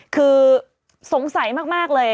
คือสงสัยมากเลย